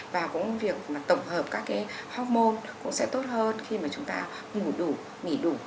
và cũng việc mà tổng hợp các cái hormone cũng sẽ tốt hơn khi mà chúng ta ngủ đủ nghỉ đủ